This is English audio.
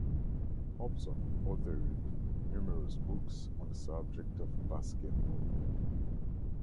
Hobson authored numerous books on the subject of basketball.